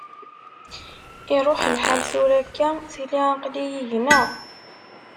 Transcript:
Iruḥ lḥal, tura akka tili aql-iyi gneɣ.